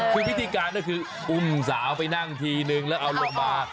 คือพิธีการก็คืออุ้มสาวไปนั่งทีนึงแล้วเอาลงมา